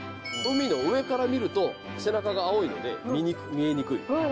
海の上から見ると背中が青いので見えにくい陸から。